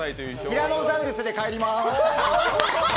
ティラノザウルスで帰ります。